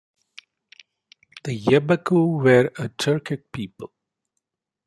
The Yabaqu were a Turkic people.